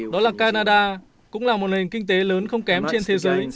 đó là canada cũng là một nền kinh tế lớn không kém trên thế giới